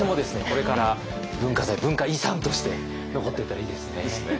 これから文化財文化遺産として残っていったらいいですね。